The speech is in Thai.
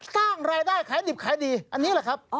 สร้างรายได้ขายดิบขายดีอันนี้แหละครับ